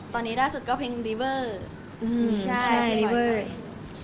ตอนนี้ล่าสุดก็เพลงลีเวอร์